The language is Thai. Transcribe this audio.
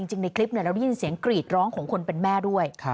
ในคลิปเราได้ยินเสียงกรีดร้องของคนเป็นแม่ด้วย